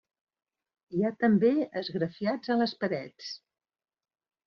Hi ha també esgrafiats a les parets.